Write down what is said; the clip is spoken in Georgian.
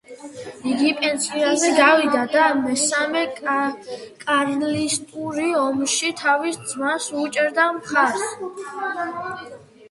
იგი პენსიაზე გავიდა და მესამე კარლისტურ ომში თავის ძმას უჭერდა მხარს.